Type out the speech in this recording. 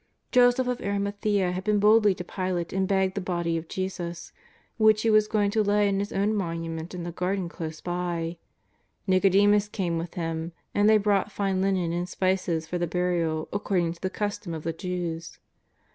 Joseph of Arimathea had been boldly to Pilate and begged the body of Jesus, which he was going to lay in his own monument in the garden close by. Xicodemus came witli him, and they brought fine linen and spices for the burial according to the custom of the Jews.